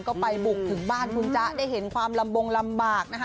ก็ไปบุกถึงบ้านคุณจ๊ะได้เห็นความลำบงลำบากนะคะ